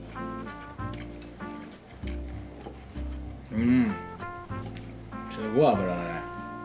うんすごい脂だね。